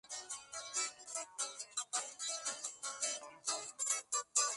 Los esfuerzos tecno-científicos se concentraron en las áreas de mayor importancia para la industria.